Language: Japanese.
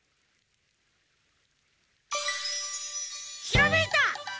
ひらめいた！